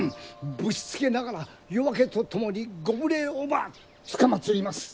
ぶしつけながら夜明けとともにご無礼をばつかまつります！